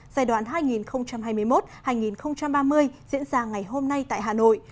giai đoạn hai nghìn hai mươi một hai nghìn ba mươi diễn ra ngày hôm nay tại hà nội